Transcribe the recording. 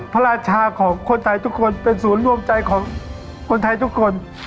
พระราชาของคนไทยทุกคนเป็นศูนย์รวมใจของคนไทยทุกคน